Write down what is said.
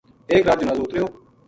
ایک رات جنازو اُت رہیو